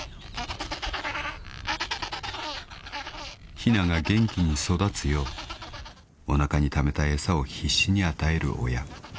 ［ひなが元気に育つようおなかにためた餌を必死に与える親］